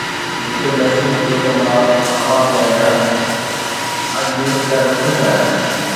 مون کي محسوس ٿيو ته مان هوا ۾ آهيان، اڄ ڏاڍو خوش آهيان